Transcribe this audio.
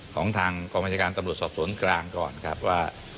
ของทางกองบัญชาการตำรวจสอบสวนกลางก่อนครับว่า